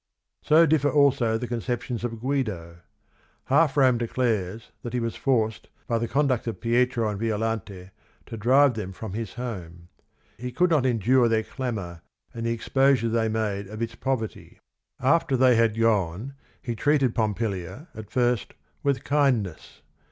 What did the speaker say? So differ also the conceptions of Guido. Half Rome doolarca that ho was fnrrpH hy the conduct of Pietro and Violante t o drive the m frc m his hom e. He could not endure their clamor and the exposure they made of its poverty. After they had gone he treated Pompilia, at first, with kindness.